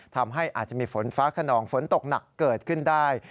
ทำให้อาจจะมีฝนฟ้าขนองฝนตกหนักเกิดขึ้นได้